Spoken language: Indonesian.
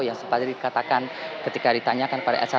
yang sempat dikatakan ketika ditanyakan pada elsa syarif